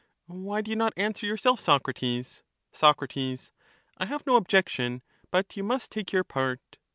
Why do you not answer yourself, Socrates ? Soc. I have no objection, but you must take your part.